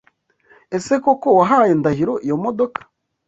Ese koko wahaye Ndahiro iyo modoka?